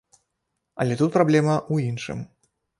Але тут праблема ў іншым.